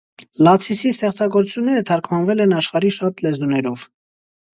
Լացիսի ստեղծագործությունները թարգմանվել են աշխարհի շատ լեզուներով։